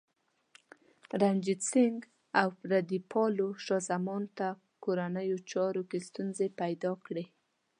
رنجیت سنګ او پردي پلوو شاه زمان ته کورنیو چارو کې ستونزې پیدا کړې.